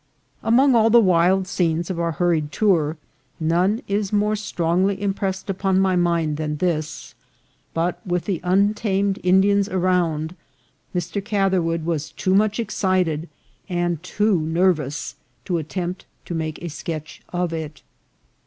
Among all the wild scenes of our Hurried tour, none is more strongly impressed INDIAN CARRIERS. 269 upon ray mind than this ; but with the untamed Indi ans around, Mr. Catherwood was too much excited and too nervous to attempt to make a sketch of it.